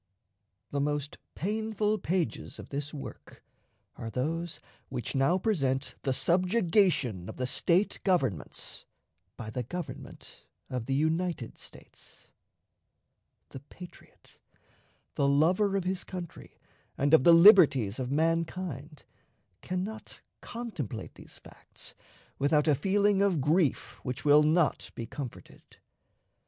The most painful pages of this work are those which now present the subjugation of the State governments by the Government of the United States. The patriot, the lover of his country and of the liberties of mankind, can not contemplate these facts without a feeling of grief which will not be comforted.